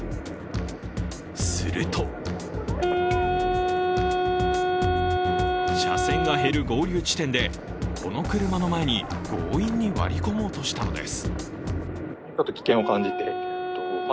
すると車線が減る合流地点でこの車の前に強引に割り込もうとしたのです。